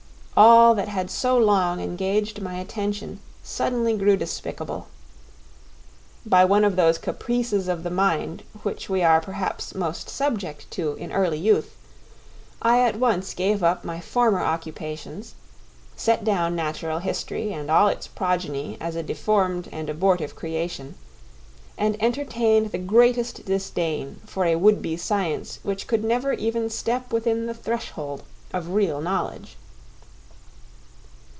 All that had so long engaged my attention suddenly grew despicable. By one of those caprices of the mind which we are perhaps most subject to in early youth, I at once gave up my former occupations, set down natural history and all its progeny as a deformed and abortive creation, and entertained the greatest disdain for a would be science which could never even step within the threshold of real knowledge.